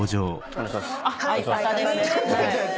お願いします。